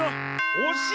おしい！